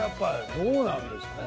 どうなんですか？